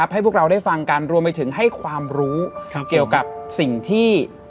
ให้พวกเราได้ฟังกันรวมไปถึงให้ความรู้เกี่ยวกับสิ่งที่